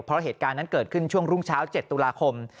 เพราะเหตุการณ์นั้นเกิดขึ้นช่วงรุ่งเช้า๗ตุลาคม